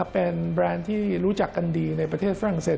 เป็นแบรนด์ที่รู้จักกันดีในประเทศฝรั่งเศส